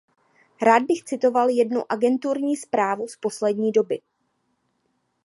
Rád bych citoval jednu agenturní zprávu z poslední doby.